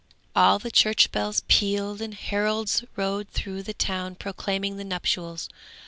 All the church bells pealed and heralds rode through the town proclaiming the nuptials.